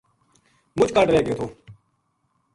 مُچ کاہڈ رہ گیو تھو